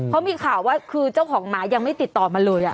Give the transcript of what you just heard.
เขามีข่าวว่าคือเจ้าของหมายังไม่ติดต่อมาเลย